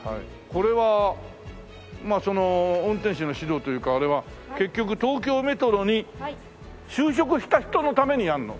これはまあ運転士の指導というかあれは結局東京メトロに就職した人のためにやるの？